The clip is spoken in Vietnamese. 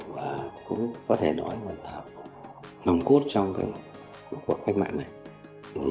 và cũng có thể nói là nồng cốt trong cuộc cách mạng này